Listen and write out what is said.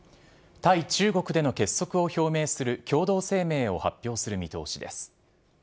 対中国での結束を表明する共同声明を発表する見通しです。